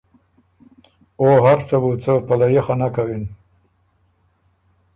او هر څه بُو څه په لیۀ خه نک کوِن۔